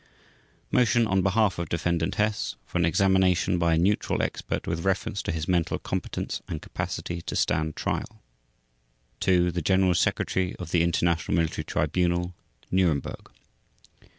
MOTION ON BEHALF OF DEFENDANT HESS FOR AN EXAMINATION BY A NEUTRAL EXPERT WITH REFERENCE TO HIS MENTAL COMPETENCE AND CAPACITY TO STAND TRIAL TO: The General Secretary of the International Military Tribunal, Nuremberg.